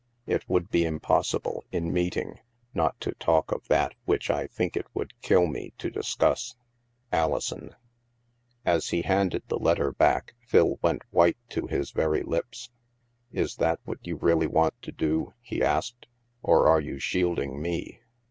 It would be impossible, in meeting, not to talk of that which I think it would kill me to discuss. " Alison." THE MAELSTROM 241 As he handed the letter back, Phil went white to his very lips. " Is that what you really want to do," he asked, " or are you shielding me